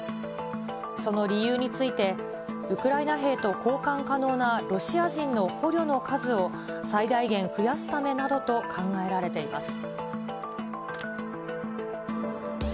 その理由について、ウクライナ兵と交換可能なロシア人の捕虜の数を、最大限増やすためなどと考えられています。